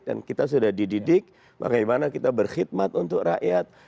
dan kita sudah dididik bagaimana kita berkhidmat untuk rakyat